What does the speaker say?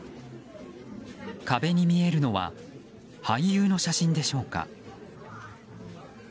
壁に見えるのは俳優の写真でしょうか。